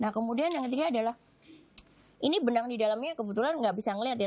nah kemudian yang ketiga adalah ini benang di dalamnya kebetulan nggak bisa ngelihat ya